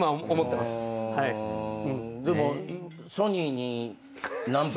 でも。